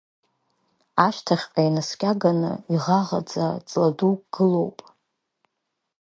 Ашьҭахьҟа инаскьаганы иӷаӷаӡа ҵла дук гылоуп.